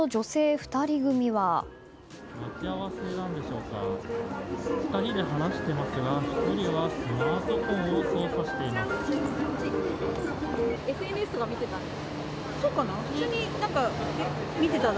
２人で話していますが１人はスマートフォンを操作しています。